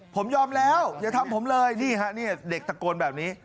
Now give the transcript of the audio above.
ผมยอมแล้วอย่าทำผมเลยนี่ฮะนี่เด็กตะโกนแบบนี้